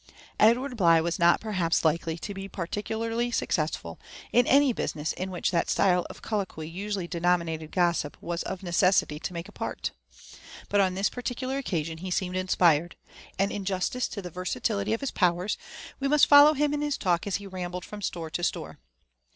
Edward filigh was not perhaps likely to be particularly successful in any business in which that style of colloquy usually denominated gossip was of necessity to make a part. But on this particular occasion he seemed inspired ; and in justice to the versatility of his powers, we must follow him in his talk as he rambled from store to store.